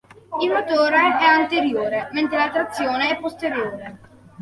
Il motore è anteriore, mentre la trazione è posteriore.